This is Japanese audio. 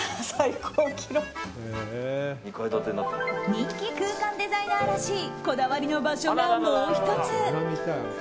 人気空間デザイナーらしいこだわりの場所がもう１つ。